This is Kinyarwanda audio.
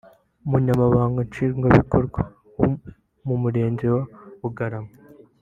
Umunyamabanga Nshingwabikorwa w’Umurenge wa Bugarama